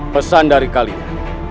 pesan dari kalian